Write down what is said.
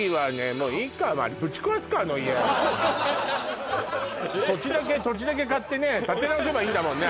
もういいかぶち壊すかあの家土地だけ買ってね建て直せばいいんだもんね